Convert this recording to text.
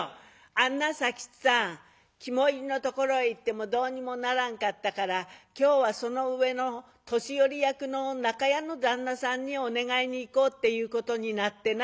「あんな佐吉さん肝煎りのところへ行ってもどうにもならんかったから今日はその上の年寄役の中屋の旦那さんにお願いに行こうっていうことになってな」。